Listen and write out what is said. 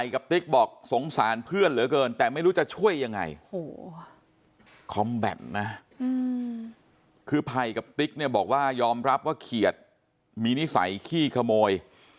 คอมแบตนะคือภัยกับติ๊กเนี่ยบอกว่ายอมรับว่าเขียดมีนิสัยขี้ขโมย